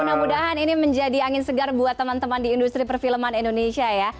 mudah mudahan ini menjadi angin segar buat teman teman di industri perfilman indonesia ya